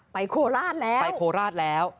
ไปโคลาสแล้ว